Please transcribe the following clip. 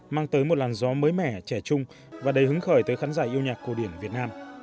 mang tới một làn gió mới mẻ trẻ trung và đầy hứng khởi tới khán giả yêu nhạc cổ điển việt nam